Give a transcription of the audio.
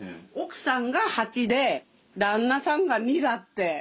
奥さんが８で旦那さんが２だって。